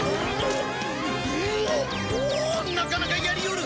おおーなかなかやりよる。